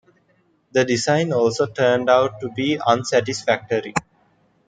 The design also turned out to be unsatisfactory.